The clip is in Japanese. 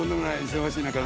忙しい中。